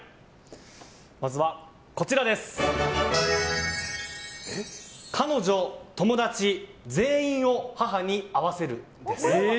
まずは、彼女・友達全員を母に会わせるです。